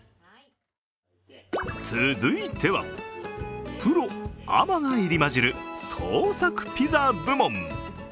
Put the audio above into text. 続いては、プロ・アマが入り交じる創作ピザ部門。